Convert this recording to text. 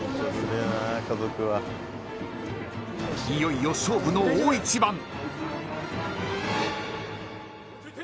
［いよいよ勝負の大一番］